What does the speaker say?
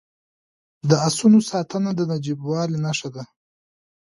د اسونو ساتنه د نجیبوالي نښه ده.